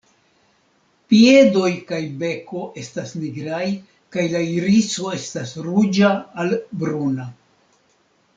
Piedoj kaj beko estas nigraj kaj la iriso estas ruĝa al bruna.